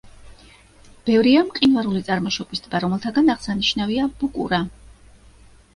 ბევრია მყინვარული წარმოშობის ტბა, რომელთაგან აღსანიშნავია ბუკურა.